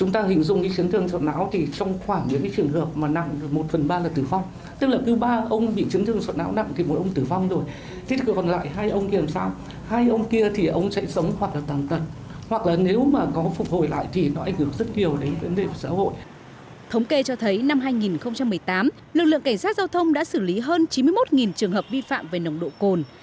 thống kê cho thấy năm hai nghìn một mươi tám lực lượng cảnh sát giao thông đã xử lý hơn chín mươi một trường hợp vi phạm về nồng độ cồn